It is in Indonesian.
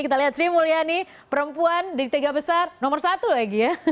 kita lihat sri mulyani perempuan di tiga besar nomor satu lagi ya